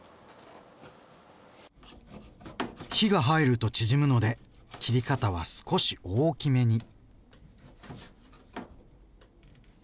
火が入ると縮むので切り方は少し大きめに。